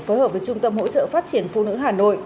phối hợp với trung tâm hỗ trợ phát triển phụ nữ hà nội